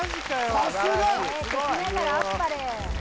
さすが！敵ながらあっぱれ！